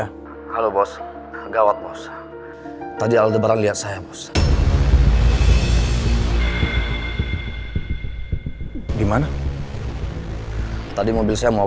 ini semua karena harus prok prasakit di depan jessica